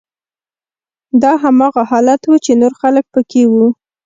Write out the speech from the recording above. دا هماغه حالت و چې نور خلک پکې وو